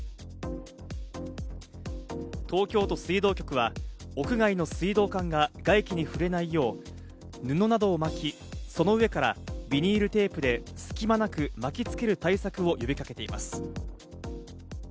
東京都水道局は屋外の水道管が外気に触れないよう、布などを巻き、その上からビニールテープで隙間なく巻き付ける対策を呼びかけています。